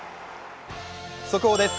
速報です。